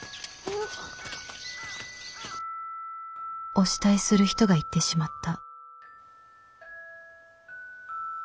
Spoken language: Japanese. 「お慕いする人が逝ってしまった」。